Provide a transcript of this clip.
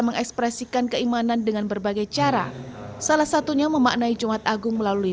mengekspresikan keimanan dengan berbagai cara salah satunya memaknai jumat agung melalui